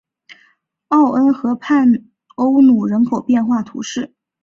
奥恩河畔欧努人口变化图示